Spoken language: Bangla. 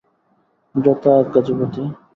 যথা আজ্ঞা, যুবতী।